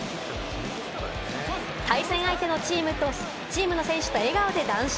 対戦相手のチームの選手と笑顔で談笑。